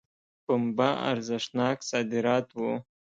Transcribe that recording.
پنبه ارزښتناک صادرات وو.